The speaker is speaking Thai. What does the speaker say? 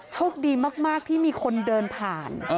โชคดีมากที่มีคนเดินผ่าน